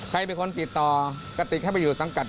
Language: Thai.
ใครเป็นคนติดต่อกะติกให้ไปอยู่สังกัด